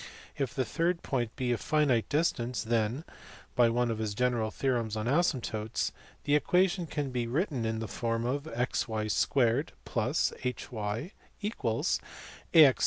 If the third point be at a finite distance, then (by one of his general theorems on asymptotes) the equation can be written in the form xy* + hy = ax